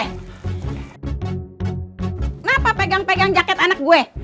kenapa pegang pegang jaket anak gue